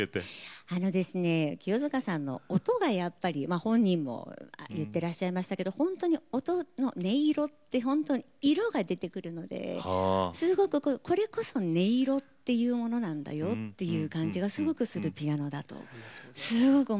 清塚さんの音がやっぱり本人も言ってらっしゃいましたけど音の音色ってほんとに色が出てくるのでこれこそ音色っていうものなんだよっていう感じがすごくするピアノだとすごく思います。